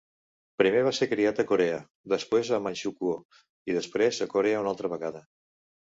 Primer va ser criat a Corea, després a Manxukuo i després a Corea una altra vegada.